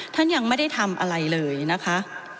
ท่านยังไม่ได้ทำอะไรเลยนะคะ